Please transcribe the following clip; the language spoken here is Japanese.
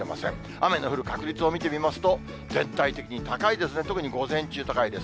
雨の降る確率を見てみますと、全体的に高いですね、特に午前中高いです。